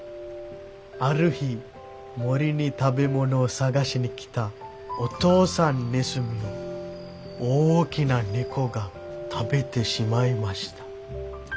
「ある日森に食べ物を探しに来たお父さんネズミを大きな猫が食べてしまいました。